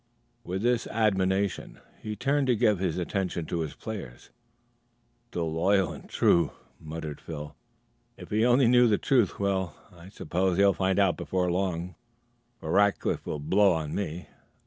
With this admonition, he turned to give his attention to his players. "Still loyal and true!" muttered Phil. "If he only knew the truth! Well, I suppose he'll find out before long, for Rackliff will blow on me.